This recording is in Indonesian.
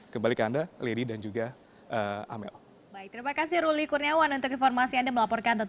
kembali ke anda lady dan juga amel